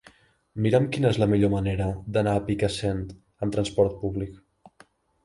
Mira'm quina és la millor manera d'anar a Picassent amb transport públic.